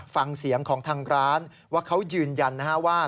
ฟังเสียงของทางร้านว่าเขายืนยันนะฮะว่า